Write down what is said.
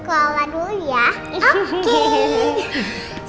ke aula dulu ya oke